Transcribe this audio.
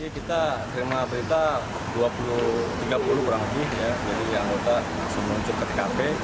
kita terima berita tiga puluh kurang lebih jadi anggota langsung muncul ke tkp